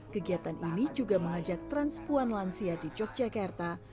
kegiatan ini juga mengajak transpuan lansia di yogyakarta